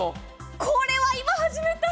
これは今、始めたい！